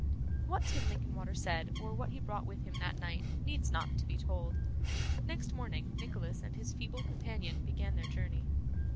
What Tim Linkinwater said, or what he brought with him that night, needs not to be told. Next morning Nicholas and his feeble companion began their journey.